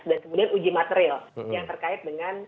dan uji material yang terkait dengan